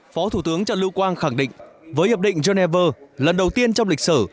phó thủ tướng trần lưu quang khẳng định với hiệp định geneva lần đầu tiên trong lịch sử